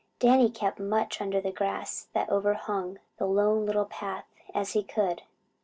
Danny kept as much under the grass that overhung the Lone Little Path as he could.